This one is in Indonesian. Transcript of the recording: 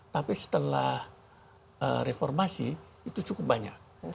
tapi setelah reformasi itu cukup banyak